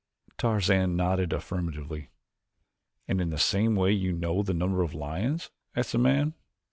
Tarzan nodded affirmatively. "And in the same way you know the number of lions?" asked the man.